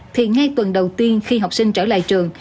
thì ngay tuần đầu tiên khi học sinh trở lại trường